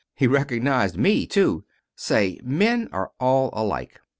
He recognized me, too. Say, men are all alike.